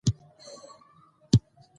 تاسې ولې هره ورځ مسواک نه وهئ؟